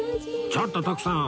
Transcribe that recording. ちょっと徳さん！